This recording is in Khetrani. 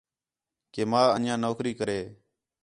کہ ماں انڄیاں نوکری کرے